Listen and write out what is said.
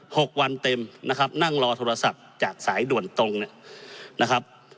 หกวันเต็มนะครับนั่งรอโทรศัพท์จากสายด่วนตรงเนี่ยนะครับ